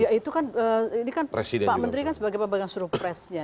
ya itu kan ini kan pak menteri kan sebagai pemegang suruh presnya